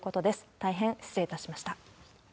大変失礼いたしました。